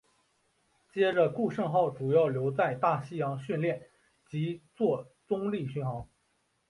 接着顾盛号主要留在大西洋训练及作中立巡航。